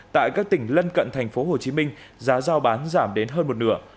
tại các tỉnh lân cận thành phố hồ chí minh giá giao bán giảm đến hơn một nửa